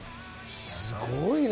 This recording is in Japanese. すごいな。